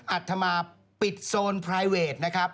อัธหมาปิดโซนนะครับ